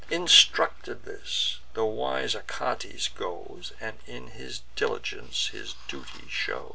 Instructed thus, the wise Achates goes, And in his diligence his duty shows.